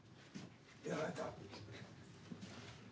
やられた！